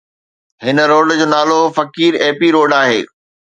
هن روڊ جو نالو فقير ايپي روڊ آهي